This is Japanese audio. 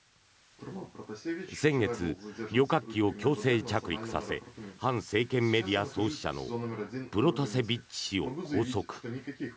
先月、旅客機を強制着陸させ反政権メディア創始者のプロタセビッチ氏を拘束。